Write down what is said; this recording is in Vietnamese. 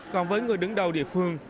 còn với người đứng đầu địa phương